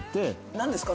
何ですか？